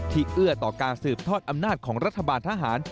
เอื้อต่อการสืบทอดอำนาจของรัฐบาลทหาร